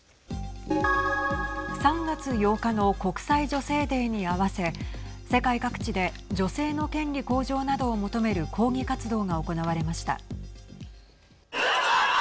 ３月８日の国際女性デーに合わせ世界各地で女性の権利向上などを求める抗議活動が行われました。